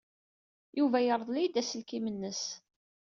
Yuba yerḍel-iyi-d aselkim-nnes.